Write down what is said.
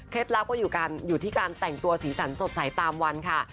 ลับก็อยู่ที่การแต่งตัวสีสันสดใสตามวันค่ะ